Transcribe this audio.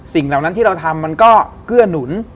เหล่านั้นที่เราทำมันก็เกื้อหนุน